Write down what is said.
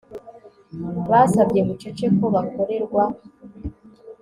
Basabye bucece ko bakorerwa